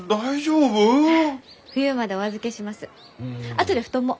あとで布団も。